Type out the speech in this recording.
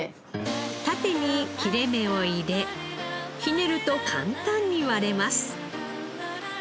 縦に切れ目を入れひねると簡単に割れます。